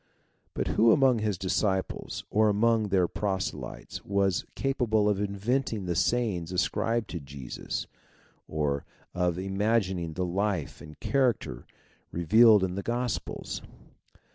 But who among^ his__disciples or among their proselytes was capable of inventing the sayings ascribed to Jesus or of imagining the life and character revealed in the 254 THEISM Gospels